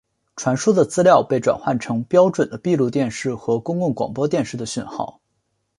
传输的资料被转换成标准的闭路电视和公共广播电视的讯号。